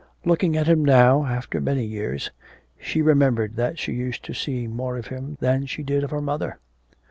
Looking at him now, after many years, she remembered that she used to see more of him than she did of her mother.